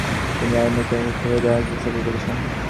তিনি American Rashid Khalidi al Qassam সম্পর্কে বলেছেন